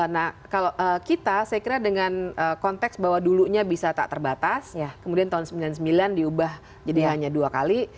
nah kalau kita saya kira dengan konteks bahwa dulunya bisa tak terbatas kemudian tahun sembilan puluh sembilan diubah jadi hanya dua kali